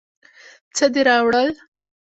څه دې راوړل.